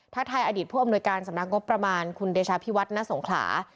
ถ้าทายอดีตผู้อำนวยการสำนักงบประมาณคุณเดชาพิวัฒนสงขลา